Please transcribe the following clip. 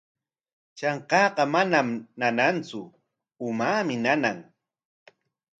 Trankaaqa manam nanantsu, umaami nana.